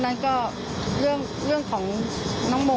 แล้วก็ไม่พบ